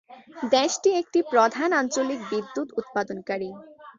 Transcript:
দেশটি একটি প্রধান আঞ্চলিক বিদ্যুত উৎপাদনকারী।